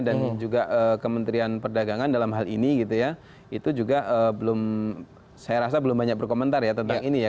dan juga kementerian perdagangan dalam hal ini gitu ya itu juga belum saya rasa belum banyak berkomentar ya tentang ini ya